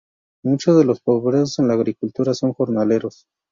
Muchos de los obreros en la agricultura son jornaleros.